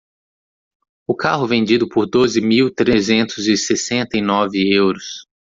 O carro vendido por doze mil trezentos e sessenta e nove euros.